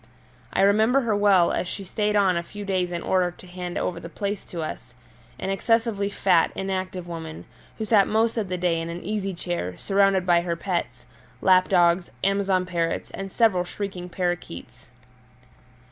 I remember her well, as she stayed on a few days in order to hand over the place to us an excessively fat, inactive woman, who sat most of the day in an easy chair, surrounded by her pets lap dogs, Amazon parrots, and several shrieking parakeets.